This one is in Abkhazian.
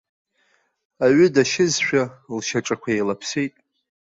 Аҩы дашьызшәа, лшьаҿақәа еилаԥсеит.